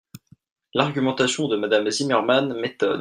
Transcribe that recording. L’argumentation de Madame Zimmermann m’étonne.